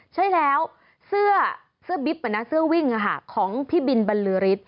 ใช่แล้วเสื้อบิ๊บเสื้อวิ่งของพี่บินบรรลือฤทธิ